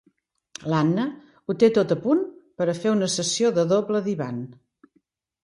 L'Anna ho té tot a punt per a fer una sessió de doble divan.